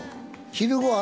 昼ご飯